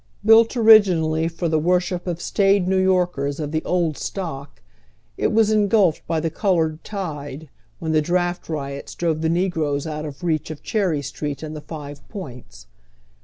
Built originally for the worsliip of staid New Yorkers of the " old stock," it was engulfed by the colored tide, when the draft riots drove the negroes out of reach of Cherry Street and the Five Points.